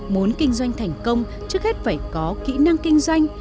muốn kinh doanh thành công trước hết phải có kỹ năng kinh doanh